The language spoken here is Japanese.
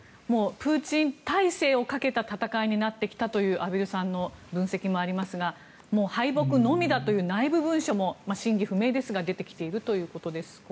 もうプーチン体制をかけての戦い方になってきたという畔蒜さんの分析もありますが敗北のみだという内部文書も真偽不明ですが出てきているということです。